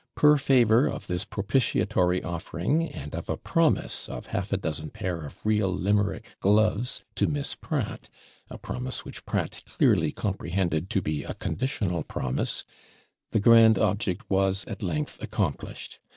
Per favour of this propitiatory offering, and of a promise of half a dozen pair of real Limerick gloves to Miss Pratt a promise which Pratt clearly comprehended to be a conditional promise the grand object was at length accomplished.